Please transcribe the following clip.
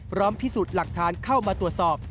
พร้อมพิสูจน์หลักฐานเข้ามาตรวจสอบ